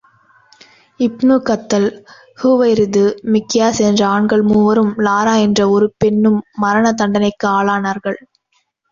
இப்னு Khatal, Huwairith, Miqyas என்ற ஆண்கள் மூவரும், லாரா என்ற ஒரு பெண்ணும் மரண தண்டனைக்கு ஆளானார்கள்.